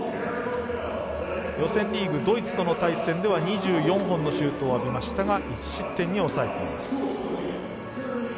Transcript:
予選リーグ、ドイツとの対戦では２４本のシュートを浴びましたが１失点に抑えています。